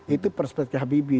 itu perspektif habibie